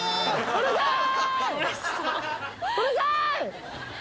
うるさい！